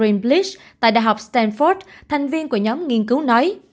catherine bliss tại đại học stanford thành viên của nhóm nghiên cứu nói